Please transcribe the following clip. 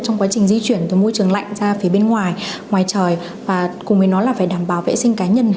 trong quá trình di chuyển từ môi trường lạnh ra phía bên ngoài ngoài trời và cùng với nó là phải đảm bảo vệ sinh cá nhân